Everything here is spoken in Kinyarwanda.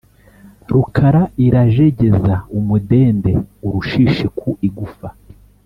Rukara irajegeza umudende-Urushishi ku igufa.